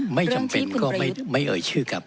ไม่จำเป็นก็ไม่เอ่ยชื่อครับ